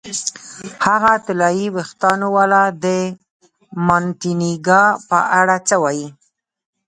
هغه طلايي وېښتانو والا، د مانتیګنا په اړه څه وایې؟